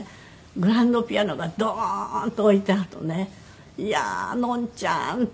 グランドピアノがドーン！と置いてあるとねいやあノンちゃん！って。